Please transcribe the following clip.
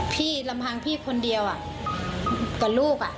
ลำพังพี่คนเดียวกับลูก